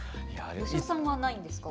芳雄さんはないんですか？